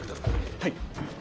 はい。